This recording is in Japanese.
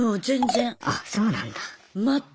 あそうなんだ。